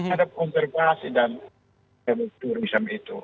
ada konservasi dan kemungkinan itu